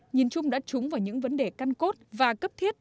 nhìn chung đã trúng vào những vấn đề căn cốt và cấp thiết